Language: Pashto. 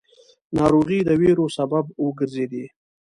ناروغۍ د وېرو سبب وګرځېدې.